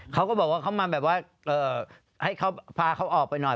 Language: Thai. เขาก็บอกว่าเขามาแบบว่าให้เขาพาเขาออกไปหน่อย